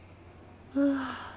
ああ。